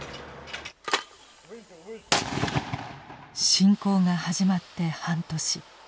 侵攻が始まって半年。